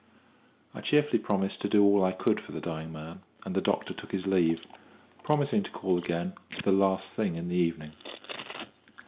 I cheerfully promised to do all I could for the dying man; and the doctor took his leave, promising to call again the last thing in the evening.